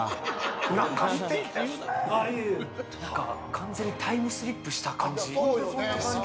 完全にタイムスリップした感じ。